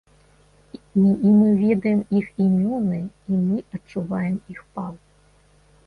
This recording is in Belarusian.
І мы ведаем іх імёны, і мы адчуваем іх пал.